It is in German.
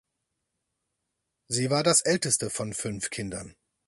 Sie war das älteste von fünf Kindern.